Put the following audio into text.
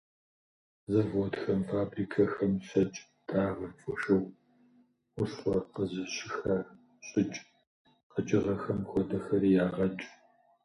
Заводхэм, фабрикэхэм щэкӀ, дагъэ, фошыгъу, хущхъуэ къызыщыхащӀыкӀ къэкӀыгъэхэм хуэдэхэри ягъэкӀ.